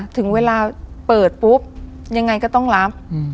ถึงเวลาเปิดปุ๊บยังไงก็ต้องรับ